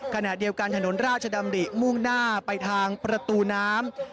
ขณะเดียวกันถนนราชดำริมุ่งหน้าไปทางประตูน้ำ